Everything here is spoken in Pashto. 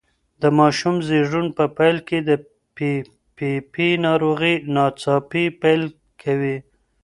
د ماشوم زېږون په پیل کې پي پي پي ناروغي ناڅاپي پیل کوي.